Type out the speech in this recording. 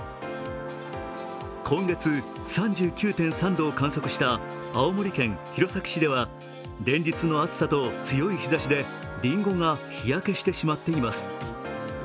今月３９．３度を観測した青森県弘前市では連日の暑さと強い日ざしでりんごが日焼けしてしまっています。